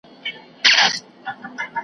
یوه ورځ خره ته لېوه ویله وروره .